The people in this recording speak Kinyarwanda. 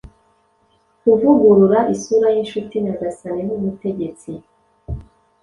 Kuvugurura isura yinshuti-nyagasani numutegetsi